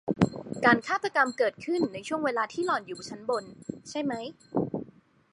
การฆาตกรรมเกิดขึ้นในช่วงเวลาที่หล่อนอยู่ชั้นบนใช่มั้ย